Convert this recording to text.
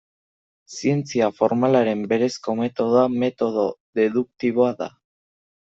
Zientzia formalaren berezko metodoa metodo deduktiboa da.